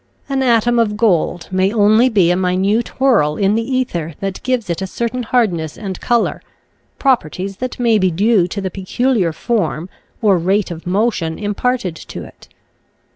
An atom of gold may only be a minute whirl in the ether that gives it a certain hardness and color — properties that may be due to the peculiar form or rate of motion imparted to it.